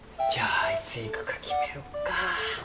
じゃあいつ行くか決めよっか。